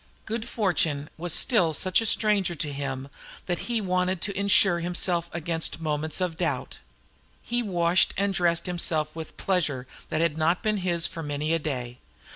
Good fortune was still such a stranger to him that he wanted to insure himself against moments of doubt. He washed and dressed himself with pleasure that had not been his for many a day.